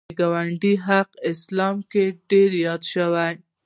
د ګاونډي حق اسلام کې ډېر یاد شوی